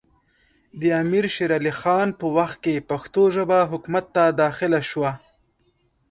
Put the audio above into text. د امیر شېر علي خان په وخت کې پښتو ژبه حکومت ته داخله سوه